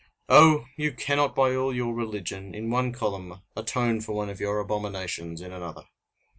Oh! you cannot by all your religion, in one column, atone for one of your abominations in another!